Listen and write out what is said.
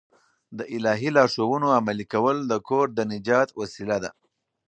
د الهي لارښوونو عملي کول د کور د نجات وسیله ده.